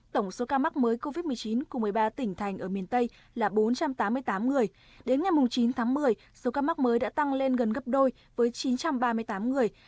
tổng số ca mắc mới covid một mươi chín của một mươi ba tỉnh thành ở miền tây là bốn trăm tám mươi tám người đến ngày chín tháng một mươi số ca mắc mới đã tăng lên gần gấp đôi với chín trăm ba mươi tám người